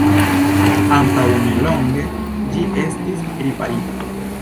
Antaŭnelonge ĝi estis riparita.